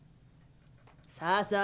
さあさあ